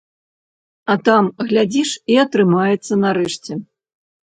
А там, глядзіш, і атрымаецца, нарэшце.